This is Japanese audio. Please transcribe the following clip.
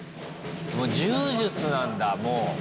もう柔術なんだもう。